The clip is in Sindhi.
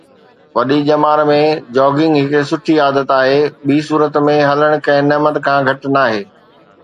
وڏي ڄمار ۾ جاگنگ هڪ سٺي عادت آهي ٻي صورت ۾ هلڻ ڪنهن نعمت کان گهٽ ناهي